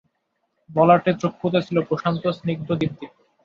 ললাটে চক্ষুতে ছিল প্রশান্ত স্নিগ্ধ দীপ্তি।